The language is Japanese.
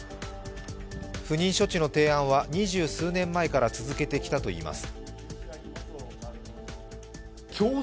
不妊処置の提案は二十数年前から続けられてきたといいます。